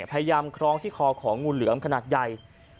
พยายามคล้องที่คอของงูเหลือมขนาดใหญ่